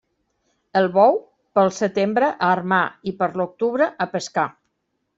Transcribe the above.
El bou, pel setembre a armar i per l'octubre a pescar.